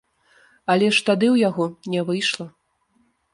Але ж тады ў яго не выйшла.